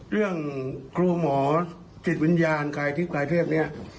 เรื่องครูหมอจิตวิญญาณกายทิพย์กายเพศนี้